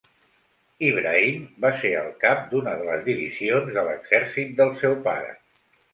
Ibrahim va ser el cap d'una de les divisions de l'exèrcit del seu pare.